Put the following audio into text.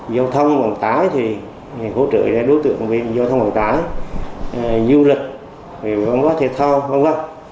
giao thông hoàn tả thì hỗ trợ đối tượng về giao thông hoàn tả du lịch văn quốc thể thao văn quốc